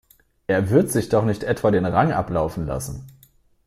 Er wird sich doch nicht etwa den Rang ablaufen lassen?